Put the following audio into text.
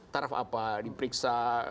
taraf apa diperiksa